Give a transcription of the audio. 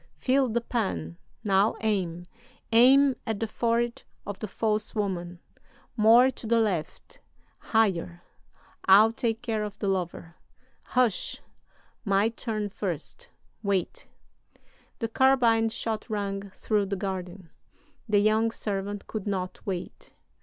Fill the pan now aim aim at the forehead of the false woman more to the left higher I'll take care of the lover hush my turn first wait!' "The carbine shot rang through the garden. The young servant could not wait.